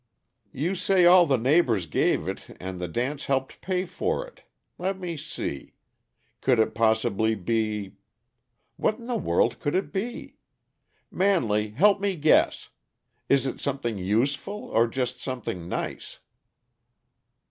"You say all the neighbors gave it and the dance helped pay for it let me see. Could it possibly be what in the world could it be? Manley, help me guess! Is it something useful, or just something nice?"